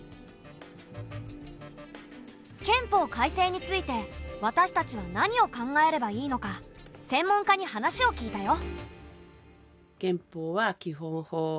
憲法改正について私たちは何を考えればいいのか専門家に話を聞いたよ。